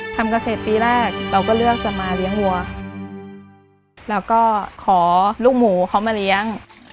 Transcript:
ทำเกษตรปีแรกเราก็เลือกจะมาเลี้ยงวัวแล้วก็ขอลูกหมูเขามาเลี้ยง